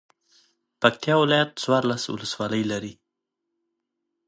پکتیا ولایت څوارلس ولسوالۍ لري.